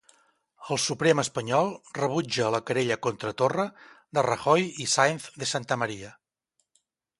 El Suprem espanyol rebutja la querella contra Torra de Rajoy i Sáenz de Santamaría.